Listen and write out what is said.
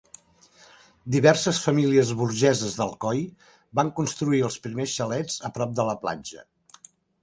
Diverses famílies burgeses d'Alcoi van construir els primers xalets a prop de la platja.